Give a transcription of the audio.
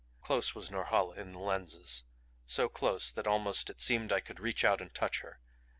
Close was Norhala in the lenses so close that almost, it seemed, I could reach out and touch her.